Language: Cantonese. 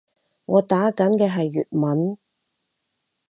我打緊嘅係粵文